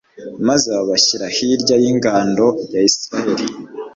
maze babashyira hirya y'ingando ya israheli